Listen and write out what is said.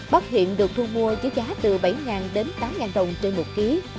bắp hiện được thu mua với giá từ bảy ngàn đến tám ngàn đồng trên một ký